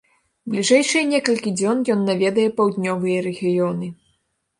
Бліжэйшыя некалькі дзён ён наведае паўднёвыя рэгіёны.